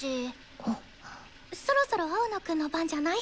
そろそろ青野くんの番じゃない？